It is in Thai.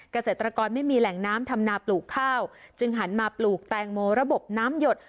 เกษตรกรไม่มีแหล่งน้ำทำนาปลูกข้าวจึงหันมาปลูกแตงโมระบบน้ำหยด